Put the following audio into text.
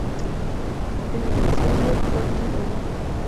En el episodio "Party On!